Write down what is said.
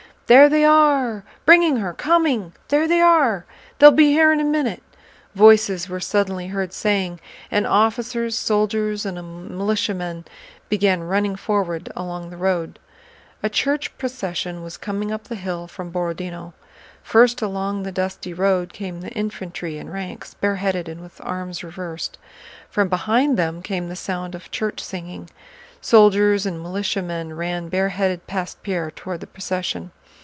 "There they are... bringing her, coming... There they are... They'll be here in a minute..." voices were suddenly heard saying; and officers, soldiers, and militiamen began running forward along the road. A church procession was coming up the hill from Borodinó. First along the dusty road came the infantry in ranks, bareheaded and with arms reversed. From behind them came the sound of church singing. Soldiers and militiamen ran bareheaded past Pierre toward the procession.